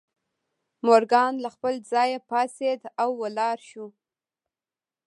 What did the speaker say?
مورګان له خپل ځایه پاڅېد او ولاړ شو